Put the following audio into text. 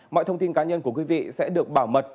mọi thông tin cá nhân của quý vị sẽ được bảo mật